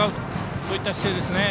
そういった姿勢ですね。